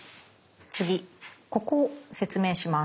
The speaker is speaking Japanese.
次ここを説明します。